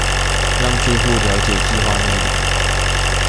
讓住戶瞭解計畫內容